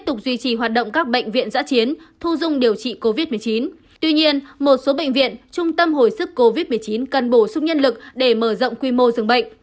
tuy nhiên một số bệnh viện trung tâm hồi sức covid một mươi chín cần bổ sung nhân lực để mở rộng quy mô dường bệnh